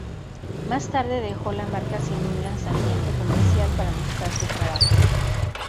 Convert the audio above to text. Más tarde dejó la marca sin un lanzamiento comercial para mostrar su trabajo.